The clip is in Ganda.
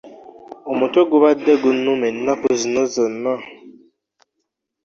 Omutwe gubadde gunnuma ennaku zino zonna.